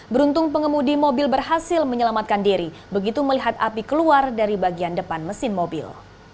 beruntung pengemudi mobil berhasil menyelamatkan diri begitu melihat api keluar dari bagian depan mesin mobil